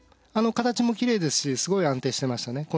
形もきれいですしすごい安定していましたね。